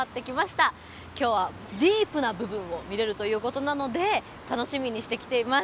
今日はディープな部分を見れるということなので楽しみにして来ています。